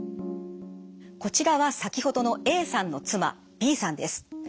こちらは先ほどのＡさんの妻Ｂさんです。